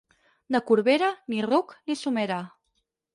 De Corbera, ni ruc ni somera.